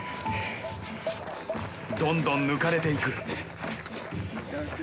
どんどん抜かれていく。